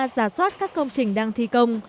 giả soát các công trình đang thi công